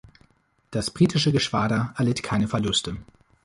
Das britische Geschwader erlitt keine Verluste.